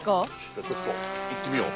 じゃあちょっといってみよう。